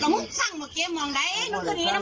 มันเป็นวันเรียงมันเป็นวันเรียง